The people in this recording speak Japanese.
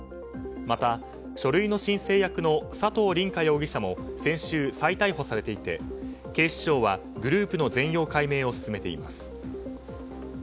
また、書類の申請役の佐藤凛果容疑者も先週、再逮捕されていて警視庁はグループの全容解明を進めています。